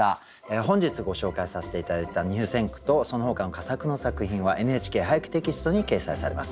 本日ご紹介させて頂いた入選句とそのほかの佳作の作品は「ＮＨＫ俳句テキスト」に掲載されます。